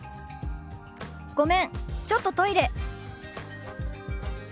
「ごめんちょっとトイレ」。